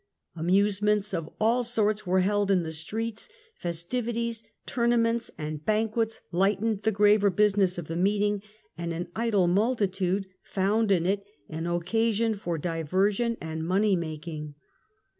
Amusements of all sorts were held in the streets ; festivities, tournaments and banquets lightened the graver business of the meeting, and an idle multitude found in it an occasion for diversion and money making.